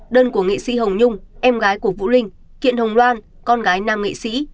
đơn của nghệ sĩ hồng nhung em gái của vũ linh kiện hồng loan con gái nam nghệ sĩ